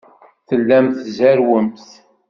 Tellamt tzerrwemt.